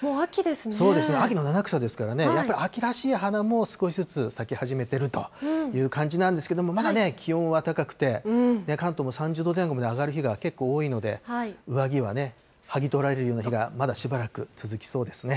そうですね、秋の七草ですからね、やっぱり秋らしい花も少しずつ咲き始めてるという感じなんですけれども、まだ気温は高くて、関東も３０度前後まで上がる日が結構多いので、上着はね、剥ぎとられるような日がまだしばらく続きそうですね。